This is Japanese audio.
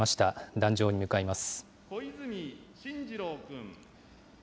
壇上に向かいます。